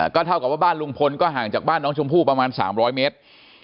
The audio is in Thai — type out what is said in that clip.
ก็เท่ากับว่าบ้านลุงพลก็ห่างจากบ้านน้องชมพู่ประมาณ๓๐๐เมตร